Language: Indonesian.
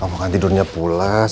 kamu gak tidurnya pulas